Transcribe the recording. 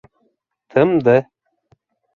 Тымды.